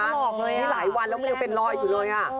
อุ๊ยหลอกเลยอ่ะหลายวันแล้วมันยังเป็นรอยอยู่เลยอ่ะ